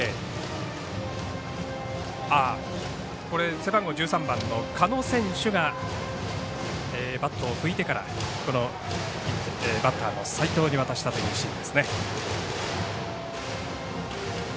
背番号１３番の鹿野選手がバットを拭いてからバッターの齋藤に渡したというシーン。